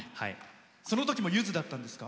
そのときもゆずだったんですか？